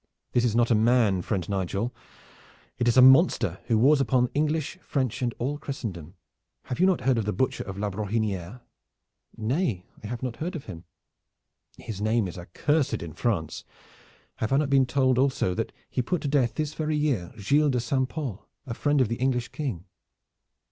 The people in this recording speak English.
This is not a man, friend Nigel. It is a monster who wars upon English, French and all Christendom. Have you not heard of the Butcher of La Brohiniere?" "Nay, I have not heard of him." "His name is accursed in France. Have I not been told also that he put to death this very year Gilles de St. Pol, a friend of the English King?"